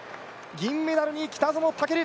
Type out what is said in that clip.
銀メダルに北園丈琉